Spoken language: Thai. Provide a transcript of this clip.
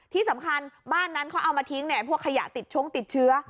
ที่สำคัญบ้านนั้นเขาเอามาทิ้งพวกขยะติดชงติดเชื้อ